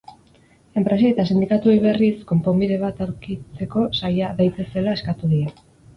Enpresei eta sindikatuei berriz, konponbide bat aurkitzeko saia daitezela eskatu die.